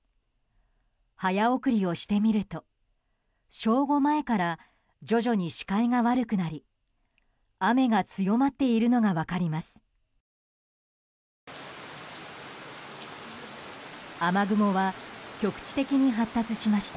早送りをしてみると正午前から徐々に視界が悪くなり、雨が強まっているのが分かります。